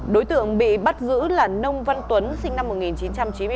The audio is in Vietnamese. đối tượng bị bắt giữ là nông văn tuấn sinh năm một nghìn chín trăm chín mươi ba